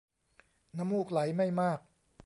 น้ำมูกไหลไม่มาก